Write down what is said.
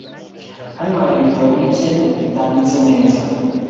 Hano hari ibitabo bike bitanditse neza.